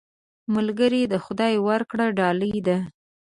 ملګری د خدای ورکړه ډالۍ ده